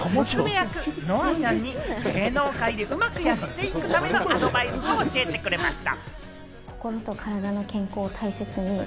乃愛ちゃんに芸能界でうまくやっていくためのアドバイスを教えてくれました。